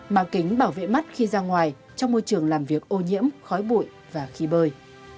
mà kính bảo vệ mắt khi ra ngoài trong môi trường làm việc ô nhiễm khói bụi và khi bơi